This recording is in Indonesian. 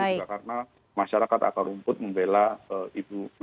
itu juga karena masyarakat atau rumput membela ibu megawati